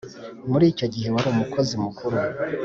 muri icyo gihe wari umukozi mukuru